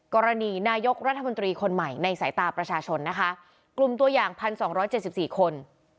กรณีนายกรัฐมนตรีคนใหม่ในสายตาประชาชนนะคะกลุ่มตัวอย่าง๑๒๗๔คน